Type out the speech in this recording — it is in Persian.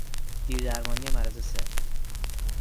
دیردرمانی مرض سل